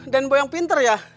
boy yang pinter ya